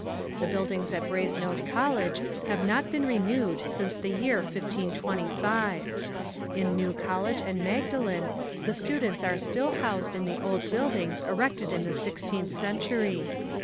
The buildings at Brasenose College have not been renewed since the year 1525. In New College and Magdalen the students are still housed in the old buildings erected in the sixteenth century.